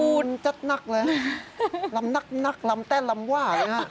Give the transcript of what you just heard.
สูตรเลยฮะลำนักลำแต่ลำว่านะครับ